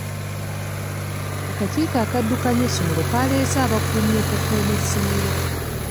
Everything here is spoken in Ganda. Akakiiko akaddukanya essomero kaaleese abakuumi okukuuma essomero.